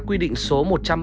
quy định số